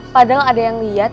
padahal ada yang liat